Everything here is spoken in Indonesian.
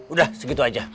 udah segitu aja